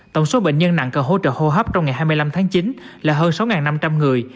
tổng số bệnh nhân nặng cần hỗ trợ hô hấp trong ngày hai mươi năm tháng chín là hơn sáu năm trăm linh người